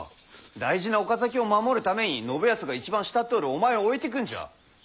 大事な岡崎を守るために信康が一番慕っておるお前を置いてくんじゃ。